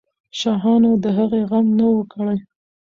شاهانو د هغې غم نه وو کړی.